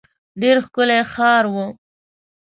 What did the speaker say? ډېر ښکلی ښار وو.